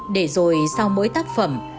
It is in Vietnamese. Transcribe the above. để rồi sau mỗi tác phẩm